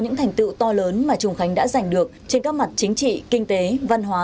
những thành tựu to lớn mà trùng khánh đã giành được trên các mặt chính trị kinh tế văn hóa